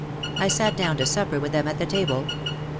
I sat down to supper with them at the table.